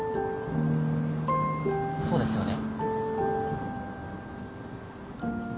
そうですよね。